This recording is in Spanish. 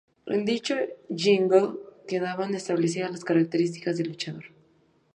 En dicho jingle quedaban establecidas las características del luchador.